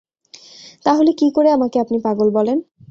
তাহলে কী করে আমাকে আপনি পাগল বলেন?